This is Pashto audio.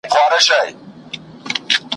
له سهاره په ژړا پیل کوو ورځي `